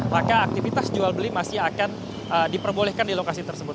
maka aktivitas jual beli masih akan diperbolehkan di lokasi tersebut